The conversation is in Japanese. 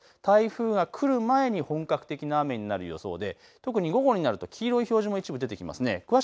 台風が来る前に本格的な雨になる予想で特に午後になると黄色い表示も一部出てきます。